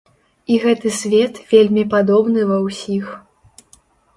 І гэты свет вельмі падобны ва ўсіх.